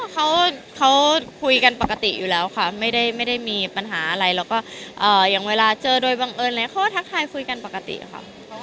เขาคุยกันปกติอยู่แล้วค่ะไม่ได้มีปัญหาอะไรแล้วก็อย่างเวลาเจอโดยบังเอิญอะไรเขาก็ทักทายคุยกันปกติค่ะ